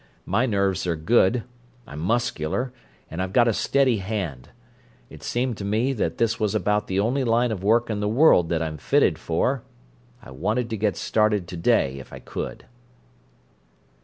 My nerves are good; I'm muscular, and I've got a steady hand; it seemed to me that this was about the only line of work in the world that I'm fitted for. I wanted to get started to day if I could."